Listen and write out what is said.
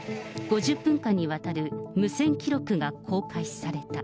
５０分間にわたる無線記録が公開された。